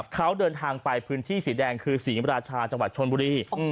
เขาเดินทางไปพื้นที่สีแดงคือศรีมราชาจังหวัดชนบุรี